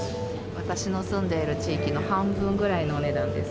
私の住んでいる地域の半分ぐらいのお値段です。